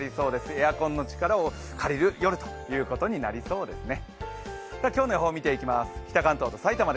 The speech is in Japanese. エアコンの力を借りる夜になりそうですね。